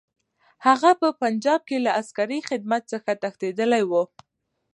هغه په پنجاب کې له عسکري خدمت څخه تښتېدلی وو.